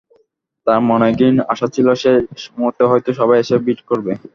তাঁর মনে ক্ষীণ আশা ছিল শেষ মুহূর্তে হয়তো সবাই এসে ভিড় করবে।